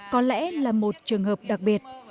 có lẽ là một trường hợp đặc biệt